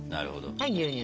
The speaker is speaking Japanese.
はい牛乳。